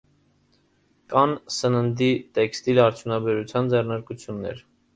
Կան սննդի, տեքստիլ արդյունաբերության ձեռնարկություններ։